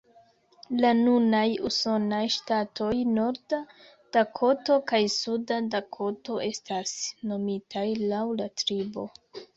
La nunaj usonaj ŝtatoj Norda Dakoto kaj Suda Dakoto estas nomitaj laŭ la tribo.